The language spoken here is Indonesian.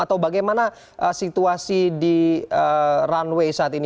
atau bagaimana situasi di runway saat ini